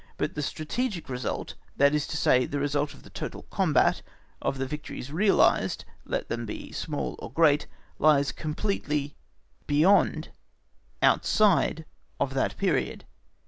But the strategic result, that is to say, the result of the total combat, of the victories realised, let them be small or great, lies completely (beyond) outside of that period.